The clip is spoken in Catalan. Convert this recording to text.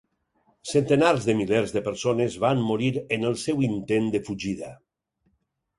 Centenars de milers de persones van morir en el seu intent de fugida.